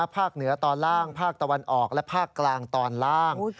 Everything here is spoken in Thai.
ภาคเหนือตอนล่างภาคตะวันออกและภาคกลางตอนล่าง